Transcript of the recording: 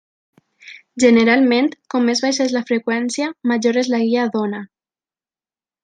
Generalment, com més baixa és la freqüència, major és la guia d'ona.